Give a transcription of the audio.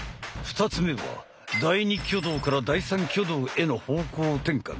２つ目は第２挙動から第３挙動への方向転換。